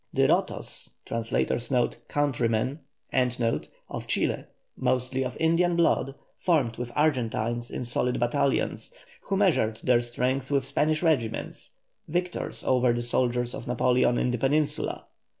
The rotos of Chile, mostly of Indian blood, formed with Argentines in solid battalions, who measured their strength with Spanish regiments, victors over the soldiers of Napoleon in the Peninsula.